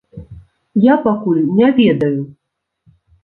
Я пакуль не ведаю.